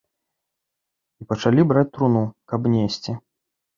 І пачалі браць труну, каб несці.